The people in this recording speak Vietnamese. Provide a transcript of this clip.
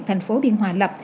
thành phố biên hòa lập